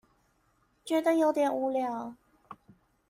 覺得有點無聊